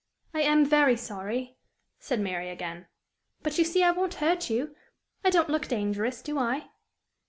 "I am very sorry," said Mary, again; "but you see I won't hurt you! I don't look dangerous, do I?"